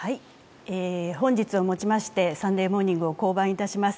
本日をもちまして「サンデーモーニング」を降板いたします。